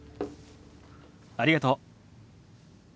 ありがとう。